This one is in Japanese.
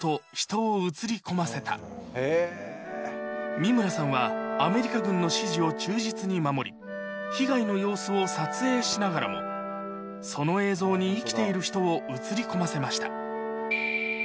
三村さんはアメリカ軍の指示を忠実に守り被害の様子を撮影しながらもその映像に生きている人を映り込ませました